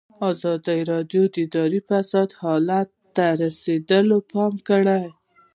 ازادي راډیو د اداري فساد حالت ته رسېدلي پام کړی.